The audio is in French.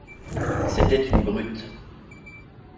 C’était une brute.